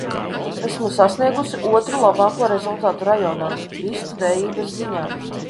Esmu sasniegusi otru labāko rezultātu rajonā, vistu dējības ziņā.